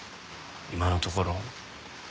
今のところ。